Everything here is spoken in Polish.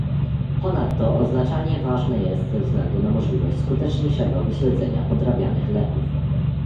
Ponadto oznaczanie ważne jest ze względu na możliwość skuteczniejszego wyśledzenia podrabianych leków